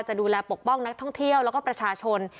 จะดูแลปกป้องนักท่องเที่ยวแล้วก็ประชาชน